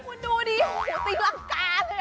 คุณดูดิติลังกาเลยเหรอ